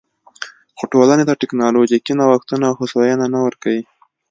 خو ټولنې ته ټکنالوژیکي نوښتونه او هوساینه نه ورکوي